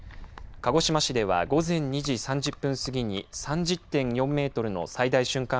鹿児島市では午前２時３０分過ぎに３０．４メートルの最大瞬間